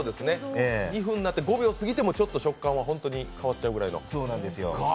２分になって５秒過ぎても食感が変わっちゃうぐらいの。